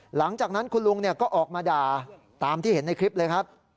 หลังจากนั้นคุณลุงก็ออกมาด่าตามที่เห็นในคลิปเลยครับ